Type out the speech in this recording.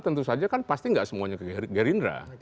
tentu saja kan pasti nggak semuanya ke grindra